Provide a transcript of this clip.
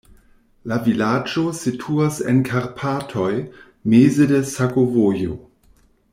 La vilaĝo situas en Karpatoj, meze de sakovojo.